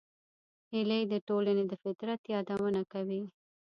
هیلۍ د ټولنې د فطرت یادونه کوي